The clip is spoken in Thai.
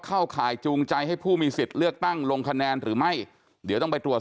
ข้าวข่ายจูงใจให้ผู้มีสิทธิ์เลือกตั้งลงคะแนนหรือไม่